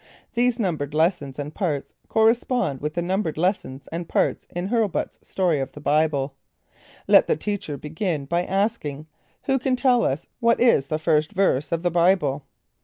These numbered lessons and parts correspond with the numbered lessons and parts in "Hurlbut's Story of the Bible." Let the teacher begin by asking, "Who can tell us what is the first verse of the Bible?"